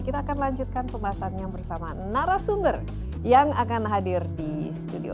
kita akan lanjutkan pembahasannya bersama narasumber yang akan hadir di studio